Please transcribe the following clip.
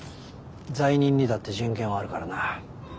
罪人にだって人権はあるからな。